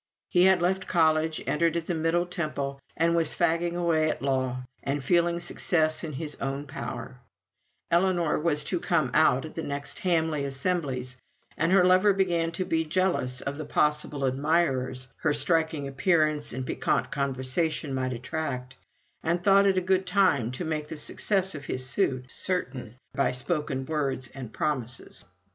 He had left college, entered at the Middle Temple, and was fagging away at law, and feeling success in his own power; Ellinor was to "come out" at the next Hamley assemblies; and her lover began to be jealous of the possible admirers her striking appearance and piquant conversation might attract, and thought it a good time to make the success of his suit certain by spoken words and promises.